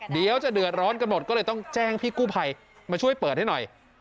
เดี๋ยวจะเดือดร้อนกันหมดก็เลยต้องแจ้งพี่กู้ภัยมาช่วยเปิดให้หน่อย